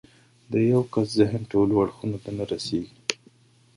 د يوه کس ذهن ټولو اړخونو ته نه رسېږي.